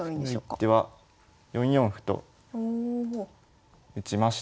次の一手は４四歩と打ちまして。